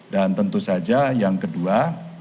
dan tentu saja yang kedua